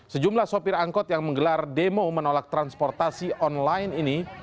sejumlah sopir angkot yang menggelar demo menolak transportasi online ini